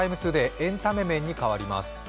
エンタメ面に変わります。